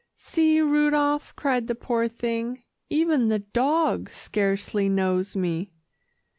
"See, Rudolph," cried the poor thing, "even the dog scarcely knows me."